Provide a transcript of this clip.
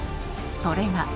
それが。